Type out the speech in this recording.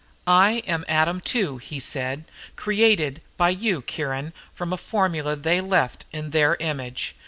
"I am Adam Two," he said. "Created, by you Kiron from a formula they left, in their image.